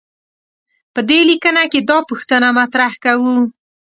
په دې لیکنه کې دا پوښتنه مطرح کوو.